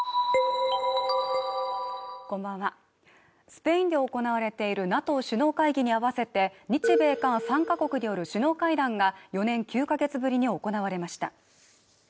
スペインで行われているＮＡＴＯ首脳会議に合わせて日米韓３か国による首脳会談が４年９か月ぶりに行われました